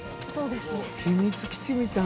秘密基地みたい。